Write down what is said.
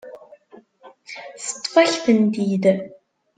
Teṭṭef-ak-tent-id.